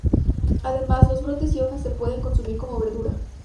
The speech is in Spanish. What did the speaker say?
Además, los brotes y hojas se pueden consumir como verdura.